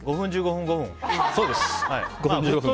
５分、１５分、５分。